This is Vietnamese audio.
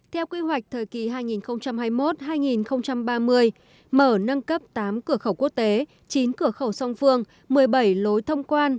theo quy hoạch thời kỳ hai nghìn hai mươi một hai nghìn ba mươi mở nâng cấp tám cửa khẩu quốc tế chín cửa khẩu song phương một mươi bảy lối thông quan